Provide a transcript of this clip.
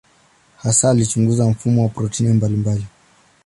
Hasa alichunguza mfumo wa protini mbalimbali.